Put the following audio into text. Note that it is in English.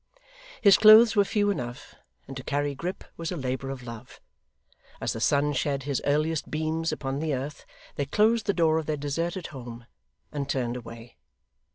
His clothes were few enough, and to carry Grip was a labour of love. As the sun shed his earliest beams upon the earth, they closed the door of their deserted home, and turned away.